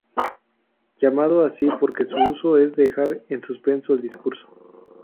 Llamado así porque su uso es dejar en suspenso el discurso.